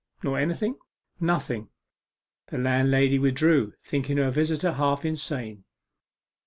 'Nor anything?' 'Nothing.' The landlady withdrew, thinking her visitor half insane.